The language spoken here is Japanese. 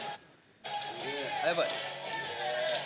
やばい。